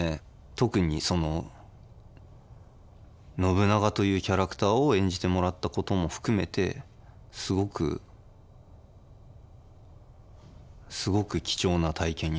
特に信長というキャラクターを演じてもらったことも含めてすごくすごく貴重な体験になりましたね。